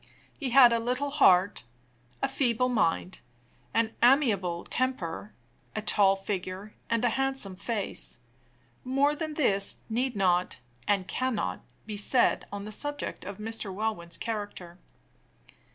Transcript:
He had a little heart, a feeble mind, an amiable temper, a tall figure, and a handsome face. More than this need not, and cannot, be said on the subject of Mr. Welwyn's character.